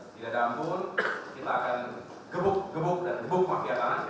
tidak ada ampun kita akan gebuk gebuk dan gebuk mafia tanah